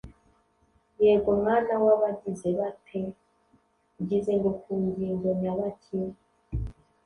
Yego mwana w’abagize bate! Ugize ngo ku ngingo nyabaki